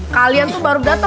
kalian tuh baru datang